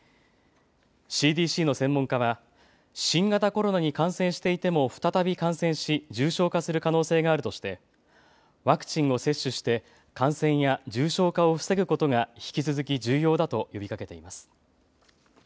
ＣＤＣの専門家は新型コロナに感染していても再び感染し重症化する可能性があるとしてワクチンを接種して感染や重症化を防ぐことが引き続き重要だと呼びかけています。